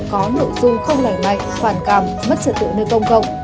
có nội dung không lành mạnh phản cảm mất trật tựa nơi công cộng